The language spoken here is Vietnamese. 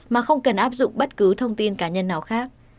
mà không cần áp dụng bất cứ thông tin cá nhân nào khác